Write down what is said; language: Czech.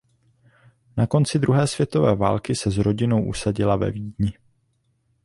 Na konci druhé světové války se s rodinou usadila ve Vídni.